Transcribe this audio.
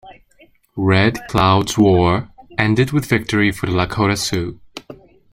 Red Cloud's War ended with victory for the Lakota Sioux.